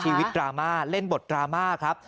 ชีวิตดรามาฯเล่นบทดรามาฯครับ